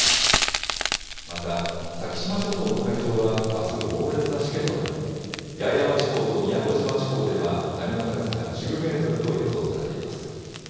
また先島諸島の海上はあす、猛烈なしけとなり、八重山地方と宮古島地方では波の高さが１０メートルと予想されています。